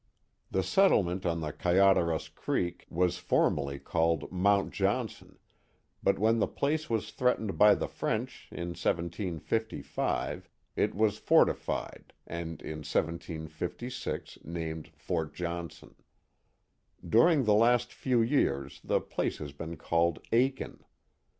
The settlement on the Kayaderos Creek was formerly called Mount Johnson, but when the place was threatened by the French, in 1755, it was fortified, and in 1756 named Fort Johnson. During the last few years the place has been called Akin.